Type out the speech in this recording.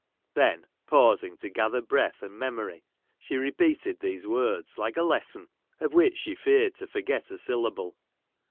Then pausing to gather breath and memory, she repeated these . words, like a lesson of which she feared to forget a syl lable.